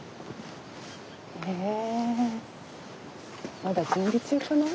まだ準備中かな？